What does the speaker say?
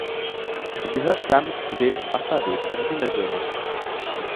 Sie gehört damit zu den im Wasser lebenden Ringelwürmern.